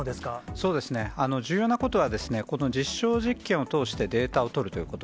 そうですね、重要なことは、この実証実験を通してデータを取るということ。